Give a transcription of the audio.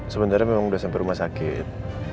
sebenernya memang udah sampai rumah sakit